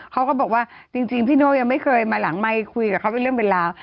เขาก็บอกว่าจริงพี่โน่ยังไม่เคยมาหลังไมค์คุยกับเขาเป็นเรื่องเป็นราว